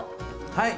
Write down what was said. はい！